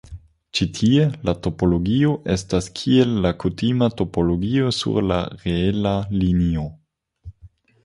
Ĉi tie, la topologio estas kiel la kutima topologio sur la reela linio.